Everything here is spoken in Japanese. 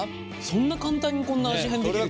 そんな簡単にこんな味変できる。